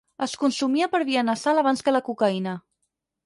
Es consumia per via nasal abans que la cocaïna.